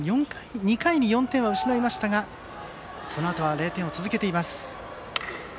２回に４点を失いましたがそのあとは０点を続けています。